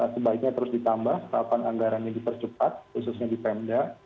sebaiknya terus ditambah serapan anggarannya dipercepat khususnya di pemda